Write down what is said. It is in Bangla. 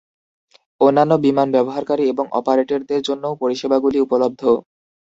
অন্যান্য বিমান ব্যবহারকারী এবং অপারেটরদের জন্যও পরিষেবাগুলি উপলব্ধ।